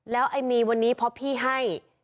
แล้วไอ้มีวันนี้เพราะพี่ให้